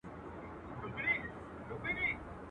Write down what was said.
که هر څو ښراوي وکړې زیارت تاته نه رسیږي.